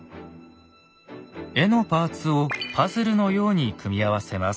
絵のパーツをパズルのように組み合わせます。